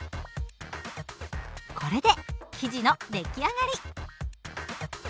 これで生地の出来上がり。